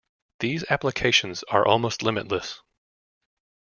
These applications are almost limitless.